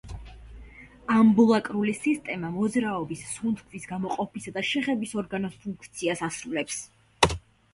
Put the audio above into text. ამბულაკრული სისტემა მოძრაობის, სუნთქვის, გამოყოფისა და შეხების ორგანოს ფუნქციას ასრულებს.